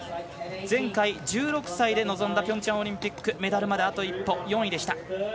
前回、１６歳で臨んだピョンチャンオリンピックはメダルまであと一歩、４位でした。